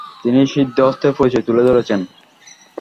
তিনি সিদ্ধহস্তের পরিচয় তুলে ধরেছেন।